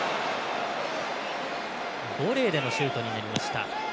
ボレーでのシュートとなりました。